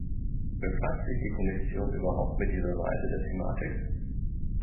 Befasst sich die Kommission überhaupt mit dieser Seite der Thematik?